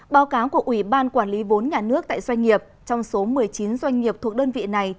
báo cáo của ủy ban quản lý vốn nhà nước tại doanh nghiệp trong số một mươi chín doanh nghiệp thuộc đơn vị này